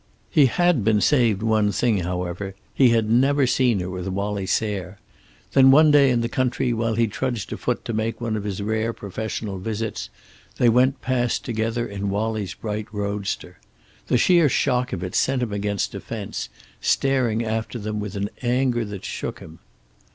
He had been saved one thing, however; he had never seen her with Wallie Sayre. Then, one day in the country while he trudged afoot to make one of his rare professional visits, they went past together in Wallie's bright roadster. The sheer shock of it sent him against a fence, staring after them with an anger that shook him.